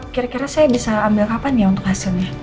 kira kira saya bisa ambil kapan ya untuk hasilnya